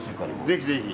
ぜひぜひ。